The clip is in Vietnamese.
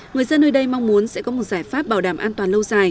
người dân nơi đây mong muốn sẽ có một giải pháp bảo đảm an toàn